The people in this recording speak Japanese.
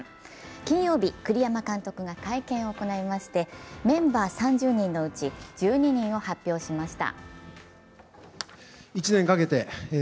金曜日、栗山監督が会見を行いまして、メンバー３０人のうち１２人を発表しました。